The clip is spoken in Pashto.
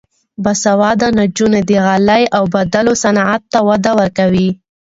باسواده نجونې د غالۍ اوبدلو صنعت ته وده ورکوي.